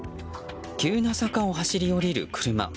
急な坂を走り下りる車。